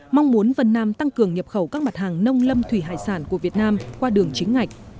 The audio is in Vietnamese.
mong muốn vân nam tăng cường nhập khẩu các mặt hàng nông lâm thủy hải sản của việt nam qua đường chính ngạch